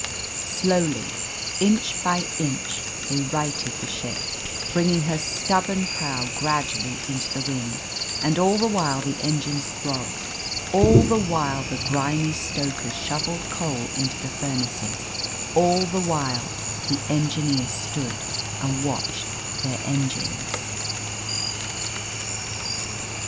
Slowly, inch by inch, they righted the ship, bringing her stubborn prow gradually into the wind; and all the while the engines throbbed, all the while the grimy stokers shovelled coal into the furnaces, all the while the engineers stood and watched their engines.